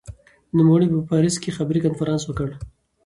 نوموړي په پاریس کې خبري کنفرانس وکړ.